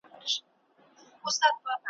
نن به یم سبا بېلتون دی نازوه مي `